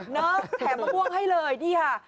แถมมะม่วงให้เลยนี่ค่ะ